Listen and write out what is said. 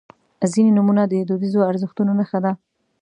• ځینې نومونه د دودیزو ارزښتونو نښه ده.